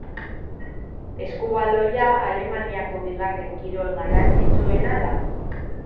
Eskubaloia Alemaniako bigarren kirol garrantzitsuena da.